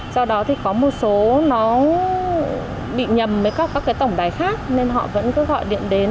do đó có một số bị nhầm với các tổng đài khác nên họ vẫn gọi điện đến